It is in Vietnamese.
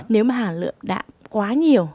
nếu mà hả lượng đạm quá nhiều